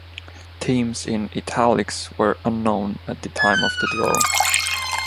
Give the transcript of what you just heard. Teams in "Italics" were unknown at the time of the draw.